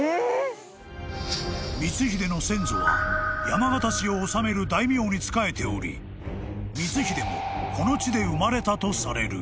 ［光秀の先祖は山県市を治める大名に仕えており光秀もこの地で生まれたとされる］